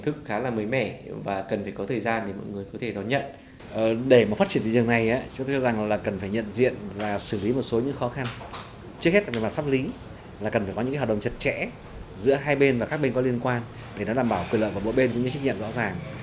thứ hai trước hết là về mặt pháp lý là cần phải có những hợp đồng chật chẽ giữa hai bên và các bên có liên quan để nó đảm bảo quyền lợi của mỗi bên với những trách nhiệm rõ ràng